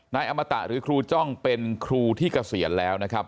อมตะหรือครูจ้องเป็นครูที่เกษียณแล้วนะครับ